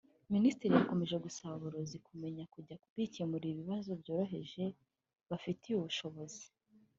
Minisitiri yakomeje gusaba aborozi kumenya kujya bikemurira ibibazo byoroheje bafitiye ubushobozi